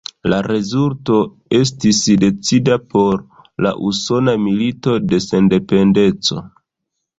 La rezulto estis decida por la Usona Milito de Sendependeco.